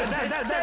誰？